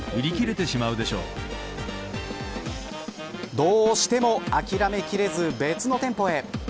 どうしても諦め切れず別の店舗へ。